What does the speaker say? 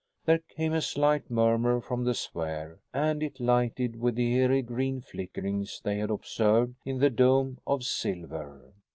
There came a slight murmur from the sphere, and it lighted with the eery green flickerings they had observed in the dome of silver.